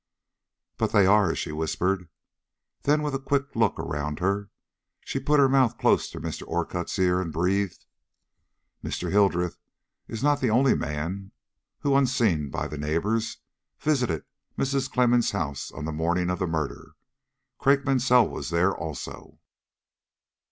"But they are," she whispered. Then with a quick look around her, she put her mouth close to Mr. Orcutt's ear and breathed: "Mr. Hildreth is not the only man who, unseen by the neighbors, visited Mrs. Clemmens' house on the morning of the murder. Craik Mansell was there also."